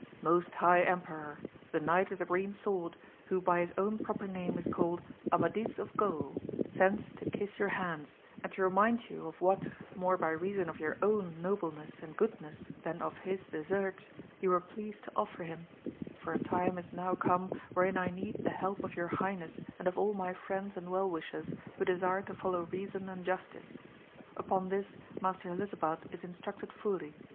Most high emperor, the Knight of the Green Sword, who by his own proper name is called Amadis of Gaul, sends to kiss your hands, and to remind you of what more by reason of your own nobleness and goodness than of his deserts, you were pleased to offer him ; for a time is now come wherein I need the help of your highness and of all my friends and weU wishers who desire to follow reason and justice. Upon this Master Helisabad is instructed fully.